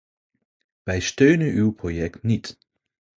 Wij steunen uw project niet.